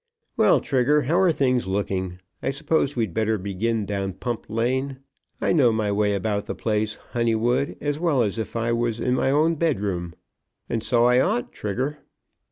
Well, Trigger, how are things looking? I suppose we'd better begin down Pump Lane. I know my way about the place, Honeywood, as well as if it was my bed room. And so I ought, Trigger."